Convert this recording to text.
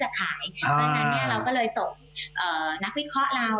อันนั้นเราก็เลยส่งนักวิทย์เคาะเรา